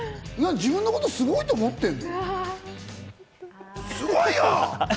自分のことすごいと思ってるの？